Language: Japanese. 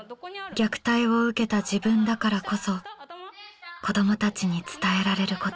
虐待を受けた自分だからこそ子どもたちに伝えられること。